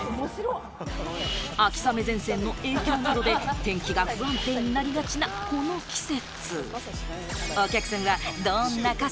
秋雨前線の影響などで天気が不安定になりがちなこの季節。